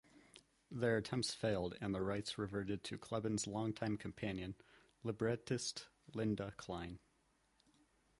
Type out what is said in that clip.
Their attempts failed and the rights reverted to Kleban's longtime companion, librettist Linda Kline.